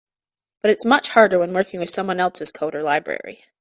But it's much harder when working with someone else's code or library.